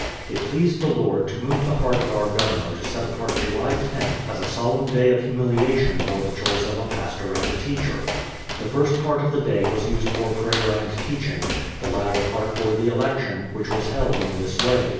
It pleased the Lord to move the heart of our Governor to set apart July loth as a solemn day of humiliation for the choice of a pastor and a teacher. The first part of the day was used for prayer and teaching, the latter part for the election, which was held in this way.